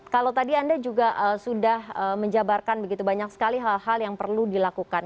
kalau tadi anda juga sudah menjabarkan begitu banyak sekali hal hal yang perlu dilakukan